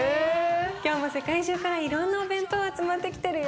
今日も世界中からいろんなお弁当集まってきてるよ。